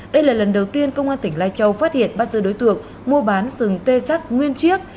đây là lần đầu tiên công an tỉnh lai châu phát hiện bắt giữ đối tượng mua bán sừng tê sắc nguyên chiếc